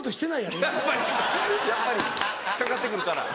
やっぱりかかって来るから。